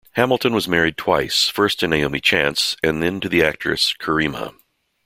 Hamilton was married twice, first to Naomi Chance, and then to the actress Kerima.